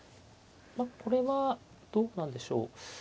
まあこれはどうなんでしょう。